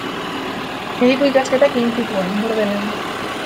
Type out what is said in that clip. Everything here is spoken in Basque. Mediku ikasketak egin zituen, Bordelen.